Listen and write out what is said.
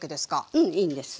うんいいんです。